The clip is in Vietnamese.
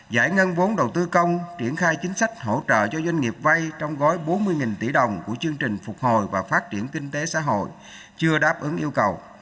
giải ngân vốn đầu tư công triển khai chính sách hỗ trợ cho doanh nghiệp vay trong gói bốn mươi tỷ đồng của chương trình phục hồi và phát triển kinh tế xã hội chưa đáp ứng yêu cầu